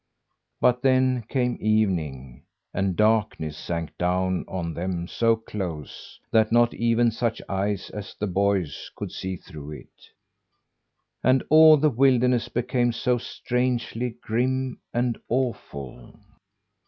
But then came evening, and darkness sank down on them so close, that not even such eyes as the boy's could see through it; and all the wilderness became so strangely grim and awful.